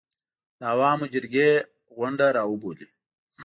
د عوامو جرګې غونډه راوبولي